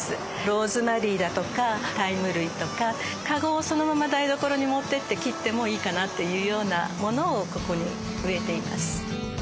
ローズマリーだとかタイム類とかカゴをそのまま台所に持っていって切ってもいいかなというようなものをここに植えています。